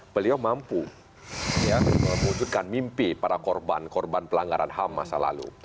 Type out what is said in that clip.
beliau mampu mewujudkan mimpi para korban korban pelanggaran ham masa lalu